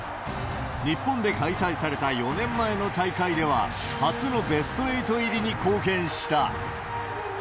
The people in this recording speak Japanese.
日本で開催された４年前の大会では、初のベスト８入りに貢献した。